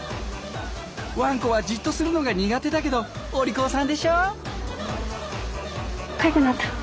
ワンコはじっとするのが苦手だけどお利口さんでしょ。